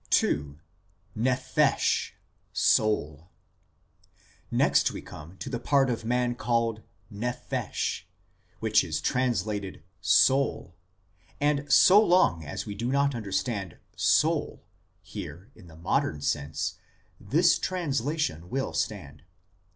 II. " NEPHESH," SOUL Next we come to the part of man called nephesh, which is translated " soul "; and so long as we do not understand " soul " here in the modern sense, this translation will stand.